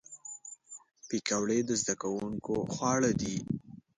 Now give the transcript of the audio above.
پکورې د زدهکوونکو خواړه دي